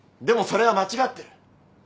でもそれは間違ってる。